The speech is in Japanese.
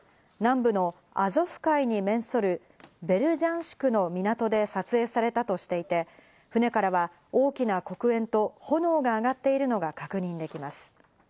南部のアゾフ海に面するベルジャンシクの港で撮影されたとしていて、船からは大きな黒煙と炎が上がっているのが確認できます。